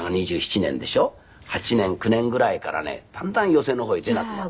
８年９年ぐらいからねだんだん寄席の方へ出なくなった。